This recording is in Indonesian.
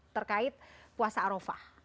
terkait puasa arofah